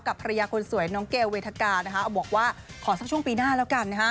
กับภรรยาคนสวยน้องเกลเวทกาบอกว่าขอสักช่วงปีหน้าแล้วกัน